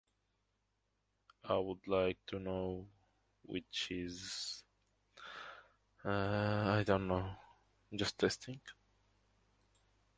The film is dedicated to him during the closing credits.